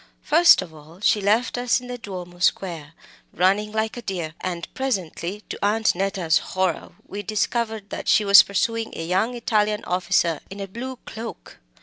First of all, she left us in the Duomo Square, running like a deer, and presently, to Aunt Neta's horror, we discovered that she was pursuing a young Italian officer in a blue cloak.